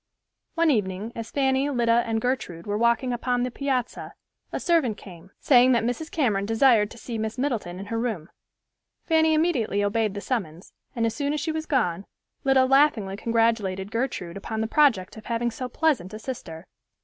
One evening as Fanny, Lida and Gertrude were walking upon the piazza, a servant came, saying that Mrs. Cameron desired to see Miss Middleton in her room. Fanny immediately obeyed the summons, and as soon as she was gone, Lida laughingly congratulated Gertrude upon the project of having so pleasant a sister.